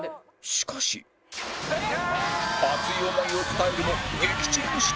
しかし熱い思いを伝えるも撃沈していた